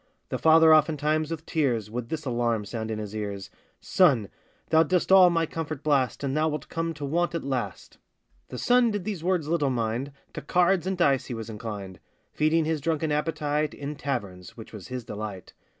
The father oftentimes with tears, Would this alarm sound in his ears; 'Son! thou dost all my comfort blast, And thou wilt come to want at last.' The son these words did little mind, To cards and dice he was inclined; Feeding his drunken appetite In taverns, which was his delight.